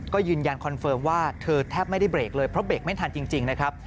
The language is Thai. ก็ยืนยันคอนเฟิร์มว่าเธอแทบไม่ได้เบรกเลยเพราะเบรกไม่ทันจริงนะครับ